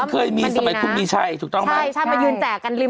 มันเคยมีสมัยคุณมีชัยถูกต้องไหม